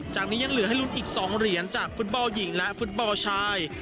ยังเหลือให้ลุ้นอีก๒เหรียญจากฟุตบอลหญิงและฟุตบอลชาย